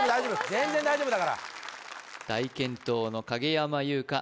全然大丈夫だから大健闘の影山優佳